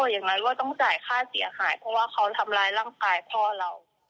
อย่างนั้นว่าต้องจ่ายค่าเสียหายเพราะว่าเขาทำร้ายร่างกายพ่อเรา